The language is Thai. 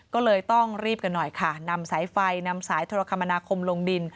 ก็เลยต้องรีบกันหน่อยค่ะนำสายไฟนำสายโทรคมนาคมลงดิน